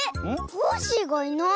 コッシーがいない。